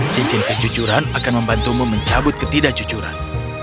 cincin kejujuran akan membantumu mencabut ketidakjujuran